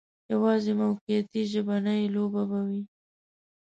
یوازې موقتي ژبنۍ لوبه به وي.